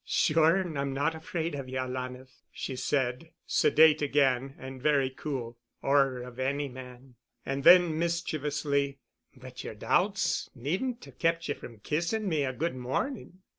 "Sure and I'm not afraid of you, alanah," she said, sedate again and very cool, "or of any man," and then, mischievously, "But your doubts needn't have kept you from kissing me a good morning."